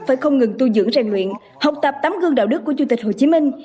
phải không ngừng tu dưỡng rèn luyện học tập tấm gương đạo đức của chủ tịch hồ chí minh